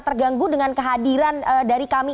terganggu dengan kehadiran dari kami